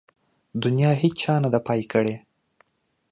د نيا هيچا نده پاى کړې.